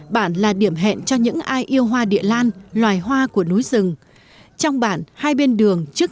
bản là điểm hẹn cho những ai yêu hoa địa lan loài hoa của núi rừng trong bản hai bên đường trước